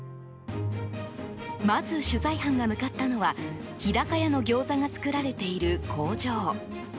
まず、取材班が向かったのは日高屋のギョーザが作られている工場。